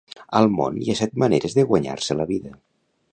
Al món hi ha set maneres de guanyar-se la vida.